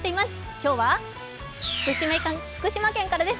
今日は福島県からです。